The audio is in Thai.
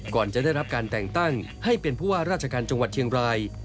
ก่อนจะได้รับการแต่งตั้งให้เป็นผู้ว่าราชการจังหวัดเชียงราย